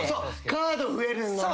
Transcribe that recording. カード増えるのね。